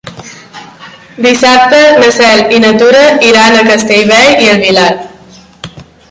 Dissabte na Cel i na Tura iran a Castellbell i el Vilar.